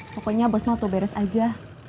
pokoknya bos mau tuh beres aja